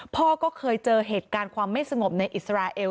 พ่อก็เคยเจอเหตุการณ์ความไม่สงบในอิสราเอล